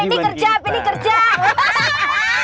nyalain musiknya doang